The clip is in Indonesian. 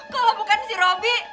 kalau bukan si robby